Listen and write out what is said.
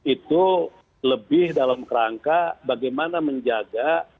itu lebih dalam kerangka bagaimana menjaga